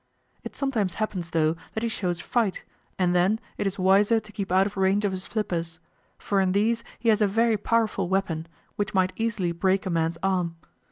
It sometimes happens, though, that he shows fight, and then it is wiser to keep out of range of his flippers; for in these he has a very powerful weapon, which might easily break a man's arm.